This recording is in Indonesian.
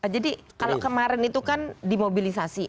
jadi kalau kemarin itu kan dimobilisasi